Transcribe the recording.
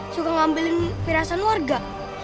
suka ngambilin perhiasan warga